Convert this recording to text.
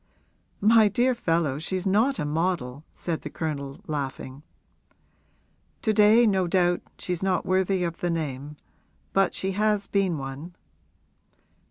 'My dear fellow, she's not a model,' said the Colonel, laughing. 'To day, no doubt, she's not worthy of the name; but she has been one.'